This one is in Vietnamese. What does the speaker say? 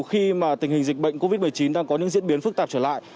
khi mà tình hình dịch bệnh covid một mươi chín đang có những diễn biến phức tạp trở lại